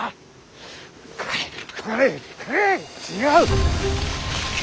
違う！